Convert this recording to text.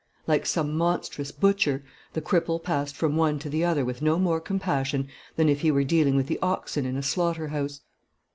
Like some monstrous butcher, the cripple passed from one to the other with no more compassion than if he were dealing with the oxen in a slaughter house.